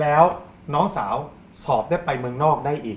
แล้วน้องสาวสอบได้ไปเมืองนอกได้อีก